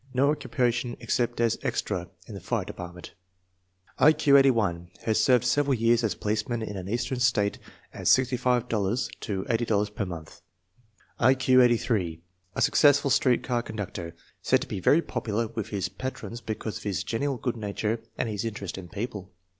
No occupation except as " extra " in the fire department. I Q 81. Had served several years as policeman in an eastern State at $65 to $80 per month. I Q 83. A successful street car conductor, said to be very popular with his patrons because of his genial good nature and his interest in people.